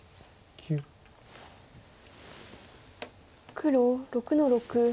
黒６の六。